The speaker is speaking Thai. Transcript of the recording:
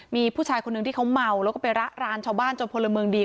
มีผู้ชายคนหนึ่งที่เขาเมาแล้วก็ไประรานชาวบ้านจนพลเมืองดี